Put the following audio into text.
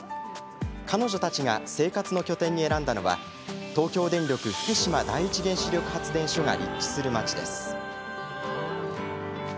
彼女たちが生活の拠点に選んだのは東京電力福島第一原子力発電所が立地する町です。